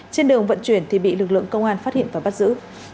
trên đường vận chuyển thì bị lực lượng công an phát hiện và bắt giữ